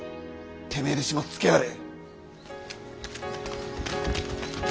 てめえで始末つけやがれ。